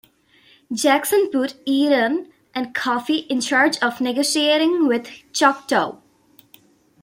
Jackson put Eaton and Coffee in charge of negotiating with the Choctaw.